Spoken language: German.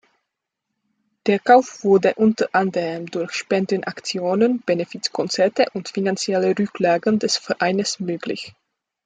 Der Kauf wurde unter anderem durch Spendenaktionen, Benefizkonzerte und finanzielle Rücklagen des Vereines möglich.